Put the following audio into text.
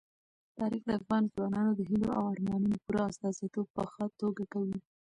تاریخ د افغان ځوانانو د هیلو او ارمانونو پوره استازیتوب په ښه توګه کوي.